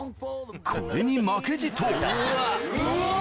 これに負けじとうわ！